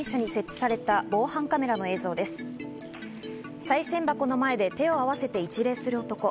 さい銭箱の前で手を合わせ一礼する男。